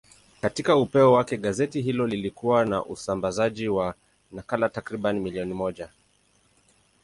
Katika upeo wake, gazeti hilo lilikuwa na usambazaji wa nakala takriban milioni moja.